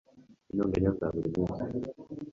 intonganya za buri munsi